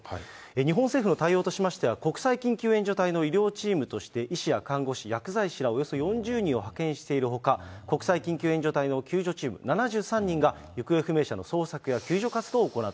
日本政府の対応としましては、国際緊急援助隊の医療チームとして、医師や看護師、薬剤師らおよそ４０人を派遣しているほか、国際緊急援助隊の救助チーム７３人が行方不明者の捜索や救助活動